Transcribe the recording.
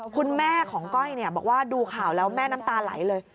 คุณแม่ของก้อยบอกว่าดูข่าวแล้วแม่น้ำตาไหลเลย